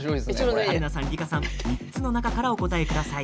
春菜さん、梨花さん３つの中からお答えください。